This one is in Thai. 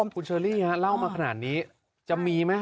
คุณเชอรี่เล่ามาขนาดนี้จะมีไหม